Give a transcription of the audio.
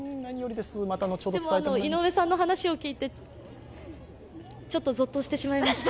でも、井上さんの話を聞いて、ちょっとゾッとしてしまいました。